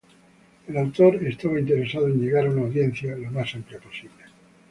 El autor estaba interesado en llegar a una audiencia lo más amplia posible.